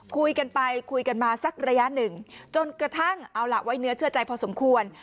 คุยกันไปคุยกันมาสักระยะหนึ่งจนกระทั่งเอาล่ะไว้เนื้อเชื่อใจพอสมควร